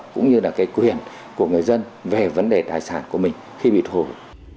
cũng như là cái quyền của người dân về vấn đề tài sản của mình khi bị thu hồi